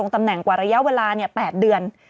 ตำแหน่งกว่าระยะเวลา๘เดือน